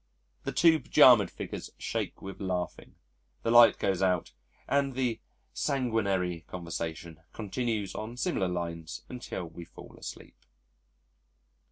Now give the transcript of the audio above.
'" The two pyjamaed figures shake with laughing, the light goes out and the sanguinary conversation continues on similar lines until we fall asleep.